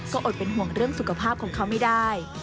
ก็อดเป็นห่วงเรื่องสุขภาพของเขาไม่ได้